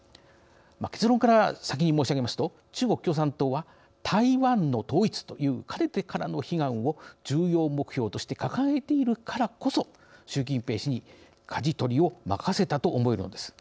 結論から先に申し上げますと中国共産党は台湾の統一というかねてからの悲願を重要目標として掲げているからこそ習近平氏にかじ取りを任せたと思えるのです。